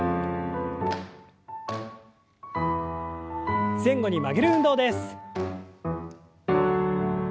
前後に曲げる運動です。